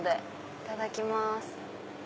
いただきます。